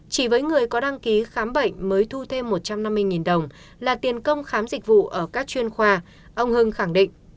chỉ với người có đăng ký khám bệnh mới thu thêm một trăm năm mươi đồng là tiền công khám dịch vụ ở các chuyên khoa ông hưng khẳng định